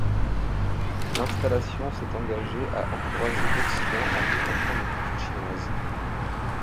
L'installation s'est engagée à encourager l'Occident à mieux comprendre les cultures chinoises.